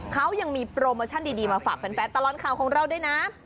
เขายังมีโปรโมชั่นดีมาฝากแฟนตลอดข่าวของเราด้วยนะ